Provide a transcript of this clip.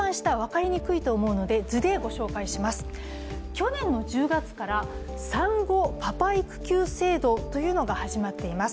去年の１０月から産後パパ育休制度というのが始まっています。